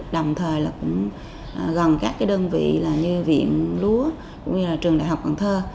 đồng thời gần các đơn vị như viện lúa trường đại học cần thơ